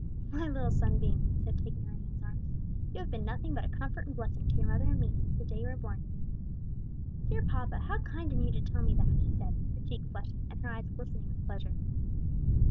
"My little sunbeam," he said taking her in his arms; "you have been nothing but a comfort and blessing to your mother and me, since the day you were born." "Dear papa, how kind in you to tell me that!" she said, her cheek flushing and her eyes glistening with pleasure.